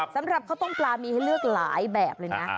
สำหรับข้าวต้มปลามีให้เลือกหลายแบบเลยนะ